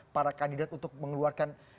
para kandidat untuk mengeluarkan